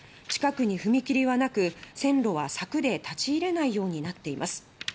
近くに踏切はなく線路は柵で立ち入れないようになっています